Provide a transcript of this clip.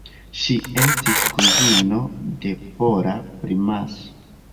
Ŝi estis kuzino de pola primaso.